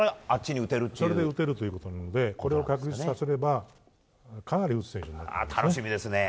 打てるということなのでそれを確立すればかなり打つ選手になります。